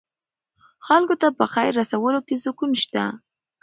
خلکو ته په خیر رسولو کې سکون شته.